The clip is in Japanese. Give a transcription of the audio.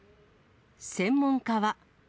専門家は。